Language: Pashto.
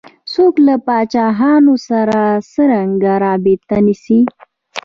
څوک له پاچاهانو سره څرنګه رابطه نیسي.